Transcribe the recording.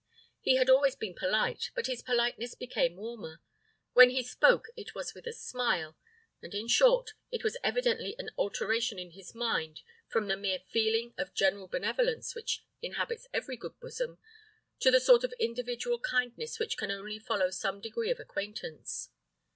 He had always been polite, but his politeness became warmer: when he spoke it was with a smile; and, in short, it was evidently an alteration in his mind, from the mere feeling of general benevolence which inhabits every good bosom, to the sort of individual kindness which can only follow some degree of acquaintance.